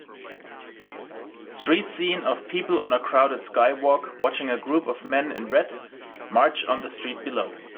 Street scene of people on a crowded skywalk watching a group of men in red march on the street below